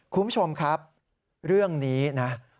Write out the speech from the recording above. คุณผู้ชมครับเรื่องนี้นะ